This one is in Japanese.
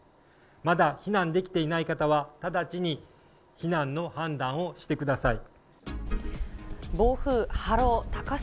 まだ避難できていない方は、直ちに避難の判断をしてください。